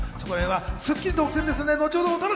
『スッキリ』独占です。